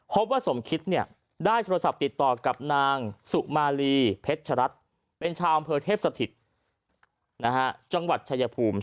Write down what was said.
พบว่าสมคิตได้โทรศัพท์ติดต่อกับนางสุมารีเพชรัตน์เป็นชาวอำเภอเทพสถิตจังหวัดชายภูมิ